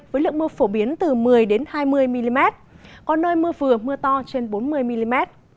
với lượng mưa phổ biến từ một mươi hai mươi mm có nơi mưa vừa mưa to trên bốn mươi mm